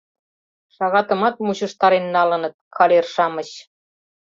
— Шагатымат мучыштарен налыныт, калер-шамыч!..